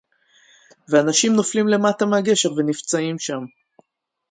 ואנשים נופלים למטה מהגשר ונפצעים שם